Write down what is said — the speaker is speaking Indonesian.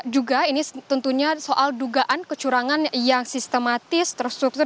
juga ini tentunya soal dugaan kecurangan yang sistematis terstruktur